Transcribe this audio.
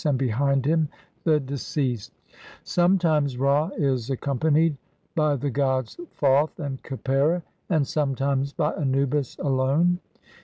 and behind him the de ceased. Sometimes Ra is accompanied by the gods Thoth and Khepera and sometimes by Anubis alone (see Naville, op.